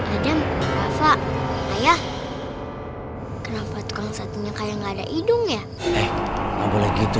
ada bapak ayah kenapa tukang satunya kadang ada hidung ya eh boleh gitu